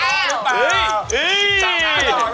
มันเป็นป่าวนะ